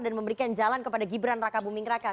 dan memberikan jalan kepada gibran raka buming raka